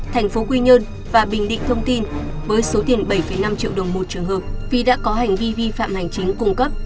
thành phố quy nhơn và bình định thông tin với số tiền bảy năm triệu đồng một trường hợp phi đã có hành vi vi phạm hành chính cung cấp